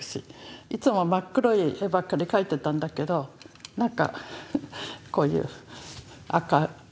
いつも真っ黒い絵ばっかり描いてたんだけどなんかこういう赤。